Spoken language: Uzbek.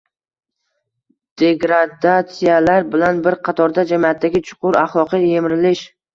degradatsiyalar bilan bir qatorda - jamiyatdagi chuqur axloqiy yemirilish